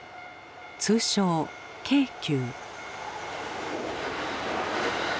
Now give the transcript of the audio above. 通称京急。